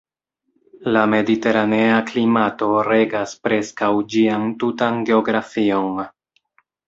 La mediteranea klimato regas preskaŭ ĝian tutan geografion.